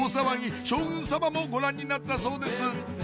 将軍様もご覧になったそうです